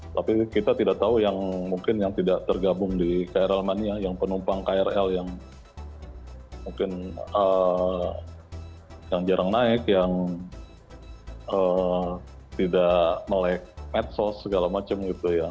tapi kita tidak tahu yang mungkin yang tidak tergabung di krl mania yang penumpang krl yang mungkin yang jarang naik yang tidak melek medsos segala macam gitu ya